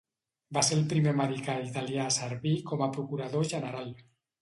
Va ser el primer americà italià a servir com a procurador general.